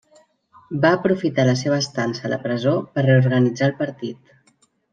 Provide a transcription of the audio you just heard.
Va aprofitar la seva estança a la presó per reorganitzar el partit.